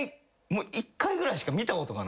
１回ぐらいしか見たことがない。